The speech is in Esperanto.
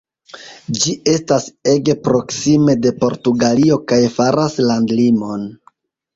Ĝi estas ege proksime de Portugalio kaj faras landlimon.